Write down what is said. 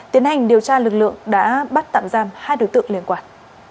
tiến hành điều tra lực lượng đã bắt tạm giam hai đối tượng liên quan